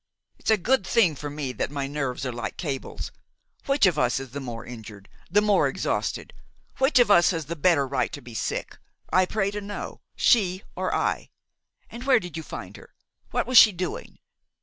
It's a good thing for me that my nerves are like cables. Which of us is the more injured, the more exhausted, which of us has the better right to be sick, I pray to know,–she or I? And where did you find her? what was she doing?